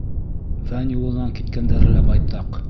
Фән юлынан киткәндәре лә байтаҡ.